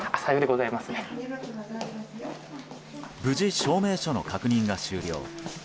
無事、証明書の確認が終了。